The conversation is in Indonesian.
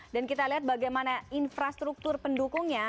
dan kita lihat bagaimana infrastruktur pendukungnya